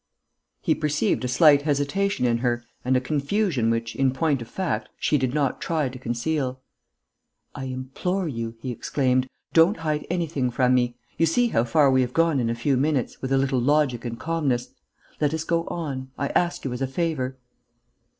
He perceived a slight hesitation in her and a confusion which, in point of fact, she did not try to conceal. "I implore you," he exclaimed, "don't hide anything from me.... You see how far we have gone in a few minutes, with a little logic and calmness.... Let us go on, I ask you as a favour."